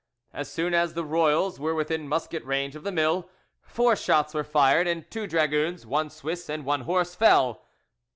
As soon as the royals were within musket range of the mill, four shots were fired, and two dragoons, one Swiss, and one horse, fell.